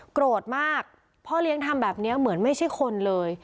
โกรธมากพ่อเลี้ยงทำแบบนี้เหมือนไม่ใช่คนเลย